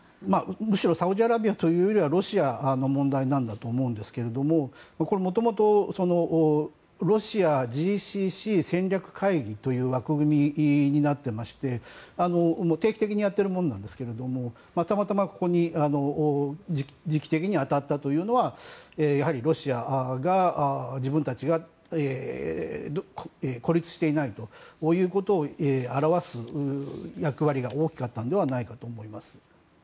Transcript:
むしろサウジアラビアというよりはロシアの問題なんだと思うんですけれども、もともとロシアＧＣＣ戦略会議という枠組みになっていまして定期的にやっているものなんですけれどもたまたま、ここに時期的に当たったというのはロシアが自分たちが孤立していないということを表す役割が大きかったのではないかと思います。